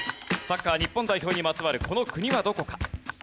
サッカー日本代表にまつわるこの国はどこか？